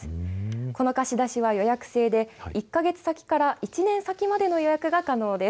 この貸し出しは予約制で１か月先から１年先までの予約が可能です。